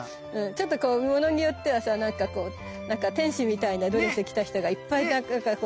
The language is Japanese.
ちょっとこうものによってはさなんかこう天使みたいなドレス着た人がいっぱいなんかこう。